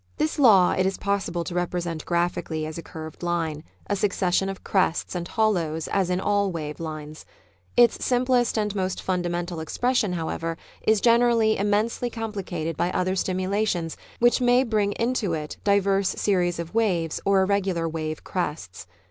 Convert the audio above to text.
This law it is possible to represent graphically as a curved line; a succession of crests and hollows as in all wave lines. Its simplest and most fundamental expression, however, is generally immensely compli cated by other stimulations which may bring into it diverse series of waves, or irregular wave crests.